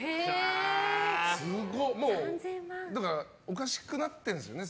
おかしくなってんですよね。